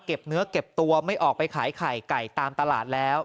เนื้อเก็บตัวไม่ออกไปขายไข่ไก่ตามตลาดแล้ว